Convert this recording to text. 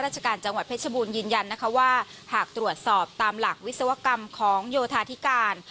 ว่าระชกราศน์จังหวัดเพชรบูนยืนยันว่าหากตรวจสอบตามหลักวิศวกรรมของโยธาคตริการ